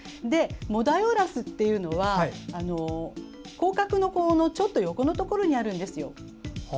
モダイオラスというのは口角の横のところにあるんですよ。